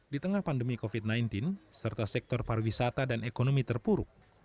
di tengah pandemi covid sembilan belas serta sektor pariwisata dan ekonomi terpuruk